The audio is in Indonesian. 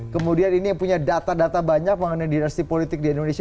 kemudian ini yang punya data data banyak mengenai dinasti politik di indonesia